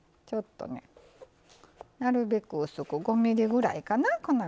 なるべく薄く、５ｍｍぐらいかな。